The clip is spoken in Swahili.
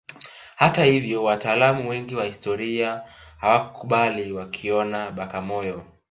Hata hivyo wataalamu wengi wa historia hawakubali wakiiona Bagamoyo